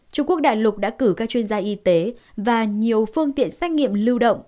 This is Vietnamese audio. trung quốc đại lục đã cử các chuyên gia y tế và nhiều phương tiện xét nghiệm lưu động